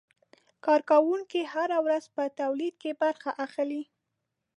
کارکوونکي هره ورځ په تولید کې برخه اخلي.